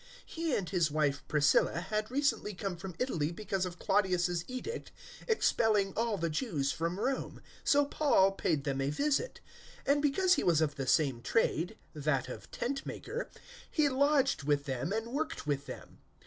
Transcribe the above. He and his wife Priscilla had recently come from Italy because of Claudius's edict expelling all the Jews from Rome. So Paul paid them a visit; 018:003 and because he was of the same trade that of tent maker he lodged with them and worked with them.